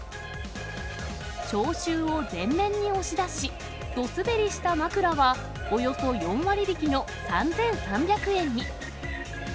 消臭を前面に押し出し、ドすべりした枕は、およそ４割引きの３３００円に。